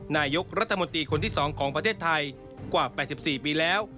นายกรัฐมนตรีคนที่๒ของประเทศไทยกว่า๘๔ปีแล้ว